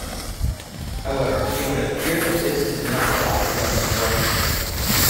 However, it would appear that this does not apply to government works.